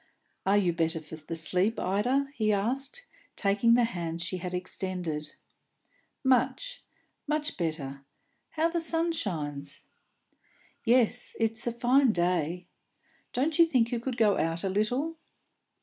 "Are you better for the sleep, Ida?" he asked, taking the hand she had extended. "Much; much better. How the sun shines!" "Yes, it's a fine day. Don't you think you could go out a little?"